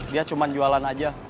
dia cuma jualan aja